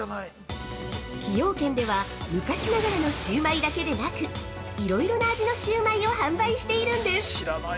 ◆崎陽軒では、昔ながらのシウマイだけでなく、いろいろな味のシウマイを販売しているんです！